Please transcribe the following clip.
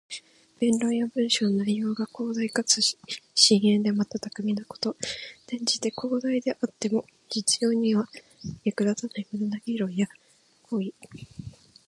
弁論や文章の内容が広大かつ深遠で、また巧みなこと。転じて、広大ではあっても実用には役立たない無駄な議論や行為。